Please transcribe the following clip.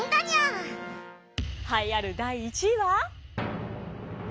栄えある第１位は。